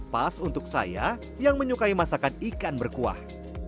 pas untuk saya yang menyukai masakan ikan berkuah